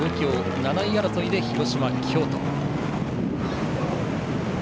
７位争いで広島と京都。